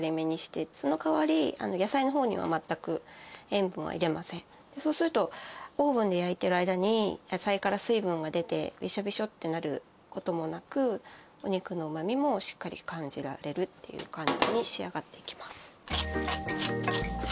今回はそうするとオーブンで焼いてる間に野菜から水分が出てびしょびしょってなることもなくお肉のうまみもしっかり感じられるっていう感じに仕上がっていきます。